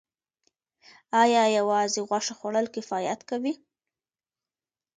ایا یوازې غوښه خوړل کفایت کوي